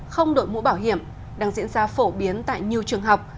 không đội mũ bảo hiểm đang diễn ra phổ biến tại nhiều trường học